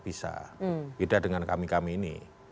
bisa beda dengan kami kami ini